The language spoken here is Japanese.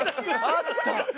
あった！